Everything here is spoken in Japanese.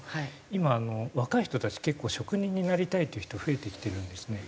今若い人たち結構職人になりたいっていう人増えてきてるんですね。